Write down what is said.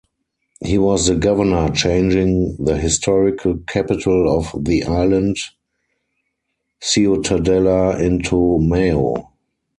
He was the governor changing the historical capital of the island, Ciutadella into Maó.